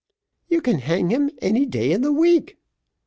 "You can hang him any day in the week."